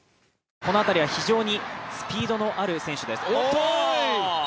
この辺りは非常にスピードのある選手です。